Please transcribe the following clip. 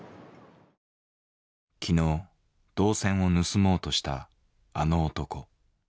昨日銅線を盗もうとしたあの男。